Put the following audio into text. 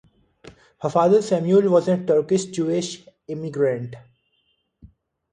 Her father Samuel was a Turkish Jewish emigrant.